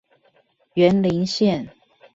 員林線